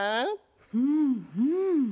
うんうん。